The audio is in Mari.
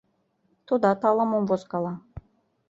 Тудат ала-мом возкала.